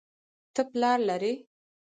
ته پلار لرې